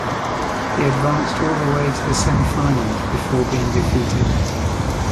He advanced all the way to the semifinals before being defeated.